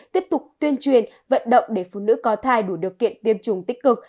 tiếp tục tuyên truyền vận động để phụ nữ có thai đủ điều kiện tiêm chủng tích cực